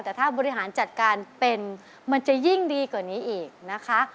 แต่ถ้าบริหารจัดการเป็นมันจะยิ่งดีกว่านี้อีกนะคะ